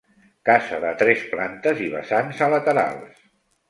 Casa de tres plantes i vessants a laterals.